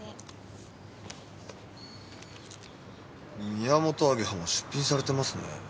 ミヤモトアゲハも出品されてますね。